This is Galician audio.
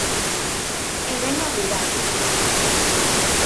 E ben abrigados.